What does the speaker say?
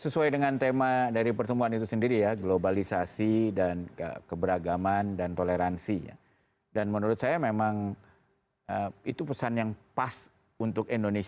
sesuai dengan tema dari pertemuan itu sendiri ya globalisasi dan keberagaman dan toleransi dan menurut saya memang itu pesan yang pas untuk indonesia